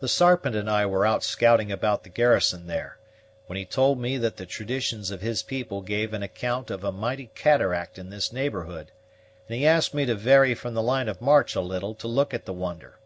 The Sarpent and I were out scouting about the garrison there, when he told me that the traditions of his people gave an account of a mighty cataract in this neighborhood, and he asked me to vary from the line of march a little to look at the wonder.